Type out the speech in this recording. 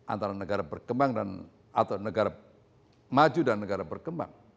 antara negara berkembang dan atau negara maju dan negara berkembang